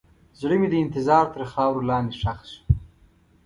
زړه مې د انتظار تر خاورو لاندې ښخ شو.